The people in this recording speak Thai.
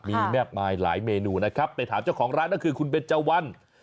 มีแม่มายหลายเมนูนะครับแต่ถามเจ้าของร้านคือคุณเบจวัล